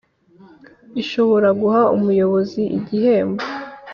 ishobora guha umuyobozi igihembo